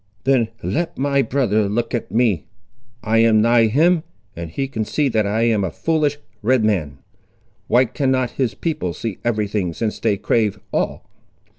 "Then let my brother look at me. I am nigh him, and he can see that I am a foolish Red man. Why cannot his people see every thing, since they crave all?"